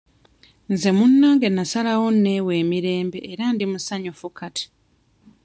Nze munnange nnasalawo neewe emirembe era ndi musanyufu kati.